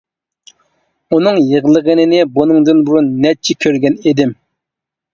ئۇنىڭ يىغلىغىنىنى بۇنىڭدىن بۇرۇن نەچچە كۆرگەن ئىدىم.